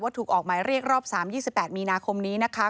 ถูกออกหมายเรียกรอบ๓๒๘มีนาคมนี้นะคะ